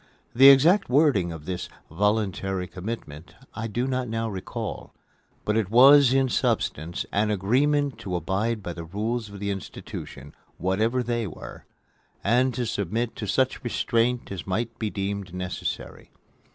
The exact wording of this "voluntary commitment" I do not now recall; but, it was, in substance, an agreement to abide by the rules of the institution whatever they were and to submit to such restraint as might be deemed necessary.